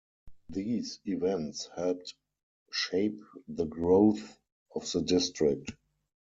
These events helped shape the growth of the District.